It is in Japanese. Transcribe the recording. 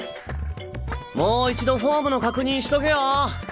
もう一度フォームの確認しとけよ。